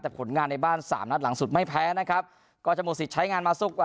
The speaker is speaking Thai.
แต่ผลงานในบ้านสามนัดหลังสุดไม่แพ้นะครับก็จะหมดสิทธิ์ใช้งานมาสุกกว่า